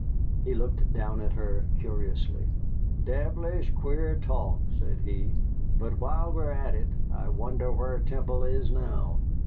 He looked down at her curiously. "Devilish queer talk," said he, "but while we are in it, I wonder where Temple is now.